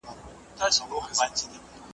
سترگه ور وي، ژبه ور وي عالمان وي .